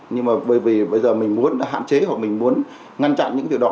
nhưng mà bởi vì bây giờ mình muốn hạn chế hoặc mình muốn ngăn chặn những điều đó